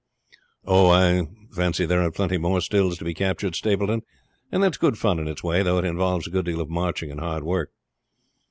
"Oh, I fancy there are plenty more stills to be captured, Stapleton; and that's good fun in its way, though it involves a good deal of marching and hard work."